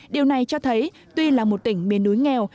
điều này cho thấy tuy là một tỉnh miền núi nghèo